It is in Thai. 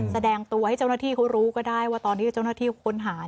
แสดงตัวให้เจ้าหน้าที่เขารู้ก็ได้ว่าตอนนี้เจ้าหน้าที่ค้นหา